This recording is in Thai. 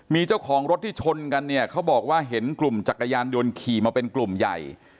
มีเจ้าของรถที่ชนกันเนี่ยเขาบอกว่าเห็นกลุ่มจักรยานยนต์ขี่มาเป็นกลุ่มใหญ่